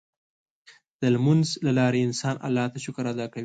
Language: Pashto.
د لمونځ له لارې انسان الله ته شکر ادا کوي.